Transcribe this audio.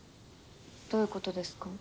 どういうことですか？